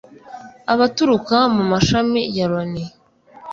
abaturuka mu mashami ya Loni